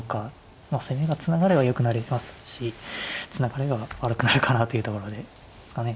攻めがつながればよくなりますしつながらなければ悪くなるかなというところですかね。